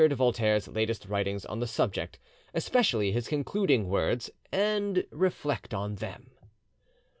de Voltaire's latest writings on the subject, especially his concluding words, and reflect on them."